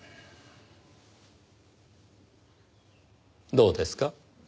どうですか？